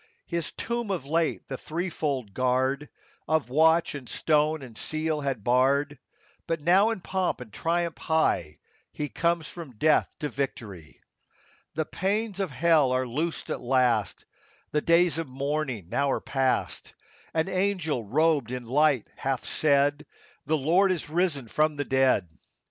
His tomb of late the threefold guard Of watch and stone and seal had barred ; But now, in pomp and triumph high, He comes from death to victory. The pains of hell are loosed at last ; The days of mourning now are past ; An angel robed in light hath said, —" The Lord is risen from the dead."